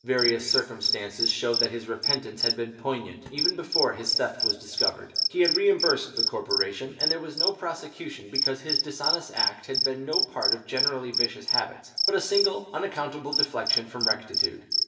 Various circumstances showed that his repentance had been poignant, even before his theft was discovered. He had reimbursed the corporation, and there was no prosecution, because his dishonest act had been no part of generally vicious habits, but a single unaccountable deflection from rectitude.